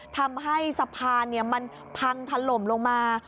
ทำให้สะพานมันพังถล่มลงมา